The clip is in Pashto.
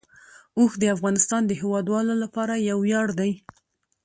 اوښ د افغانستان د هیوادوالو لپاره یو ویاړ دی.